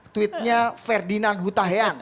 tweetnya ferdinand hutahian